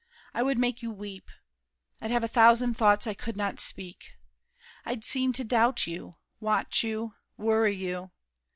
I would make you weep. I'd have a thousand thoughts I could not speak. I'd seem to doubt you, watch you, worry you.